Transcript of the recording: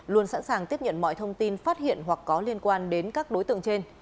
luôn sẵn sàng tiếp nhận mọi thông tin phát hiện hoặc có liên quan đến các đối tượng trên